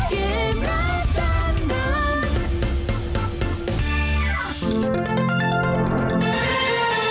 โปรดติดตามตอนต่อไป